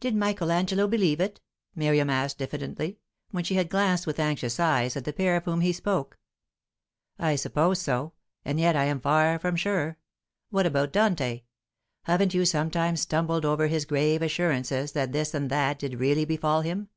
"Did Michael Angelo believe it?" Miriam asked diffidently, when she had glanced with anxious eyes at the pair of whom he spoke. "I suppose so. And yet I am far from sure. What about Dante? Haven't you sometimes stumbled over his grave assurances that this and that did really befall him?